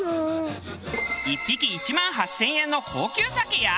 １匹１万８０００円の高級鮭や。